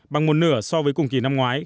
bằng một nửa so với cùng kỳ năm ngoái